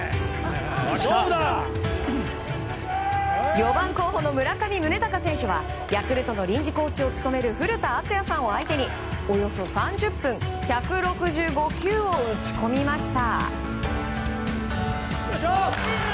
４番候補の村上宗隆選手はヤクルトの臨時コーチを務める古田敦也さんを相手におよそ３０分１６５球を打ち込みました。